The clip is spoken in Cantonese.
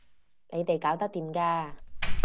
你哋搞得掂㗎